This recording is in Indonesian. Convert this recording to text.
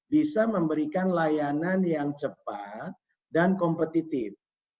bisa memberikan layanan yang cepat dan kompetitif